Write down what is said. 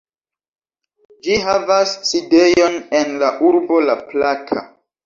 Ĝi havas sidejon en la urbo La Plata.